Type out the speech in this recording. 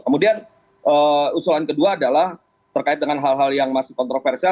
kemudian usulan kedua adalah terkait dengan hal hal yang masih kontroversial